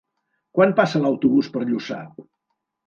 Quan passa l'autobús per Lluçà?